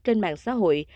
trên mạng xã hội